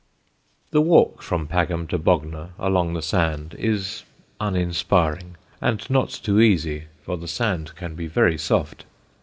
The walk from Pagham to Bognor, along the sand, is uninspiring and not too easy, for the sand can be very soft.